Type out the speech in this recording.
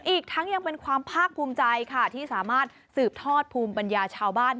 อีกทั้งยังเป็นความภาคภูมิใจค่ะที่สามารถสืบทอดภูมิปัญญาชาวบ้าน